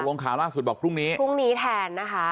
ลงข่าวล่าสุดบอกพรุ่งนี้พรุ่งนี้แทนนะคะ